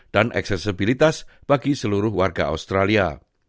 dan aksesibilitas bagi seluruh warga australia